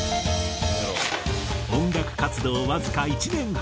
音楽活動わずか１年半。